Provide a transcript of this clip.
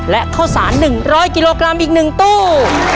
และข้าวสาร๑๐๐กิโลกรัมอีก๑ตู้